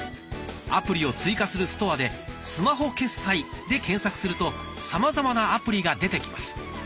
アプリを追加するストアで「スマホ決済」で検索するとさまざまなアプリが出てきます。